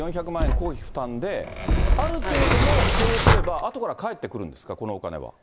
公費負担で、ある程度の票を取れば、あとから返ってくるんですか、このお金は。